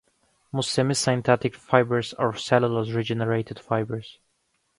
Most semi-synthetic fibers are cellulose regenerated fibers.